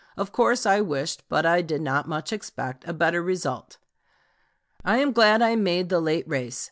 Of course I wished, but I did not much expect, a better result.... I am glad I made the late race.